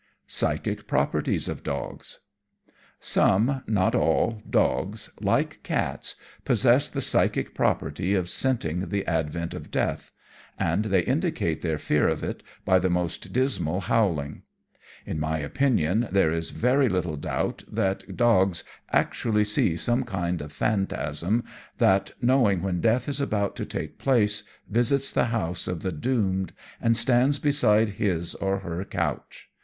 Psychic Properties of Dogs Some, not all, dogs like cats possess the psychic property of scenting the advent of death, and they indicate their fear of it by the most dismal howling. In my opinion there is very little doubt that dogs actually see some kind of phantasm that, knowing when death is about to take place, visits the house of the doomed and stands beside his, or her, couch.